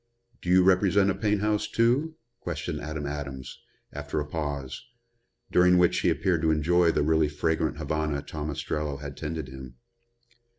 "Do you represent a paint house, too?" questioned Adam Adams, after a pause, during which he appeared to enjoy the really fragrant Havana Tom Ostrello had tended him.